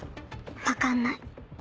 分かんない。